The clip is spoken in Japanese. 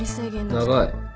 長い。